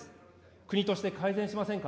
国として改善しませんか。